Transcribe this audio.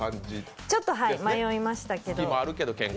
ちょっと迷いましたけど。